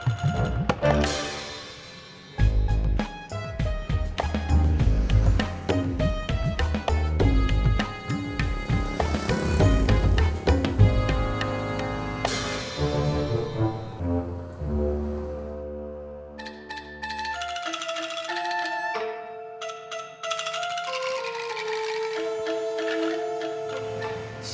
boran apa orangnya